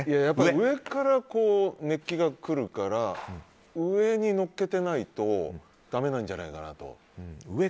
上から熱気が来るから上に乗っけてないとだめなんじゃないかなと。